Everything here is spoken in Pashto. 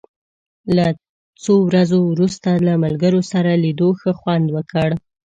له څو ورځو وروسته له ملګرو سره لیدو ښه خوند وکړ.